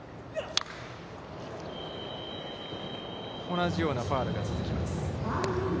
同じようなファウルが続きます。